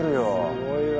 すごいわ。